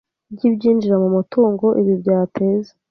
ry ibyinjira mu mutungo Ibi byateza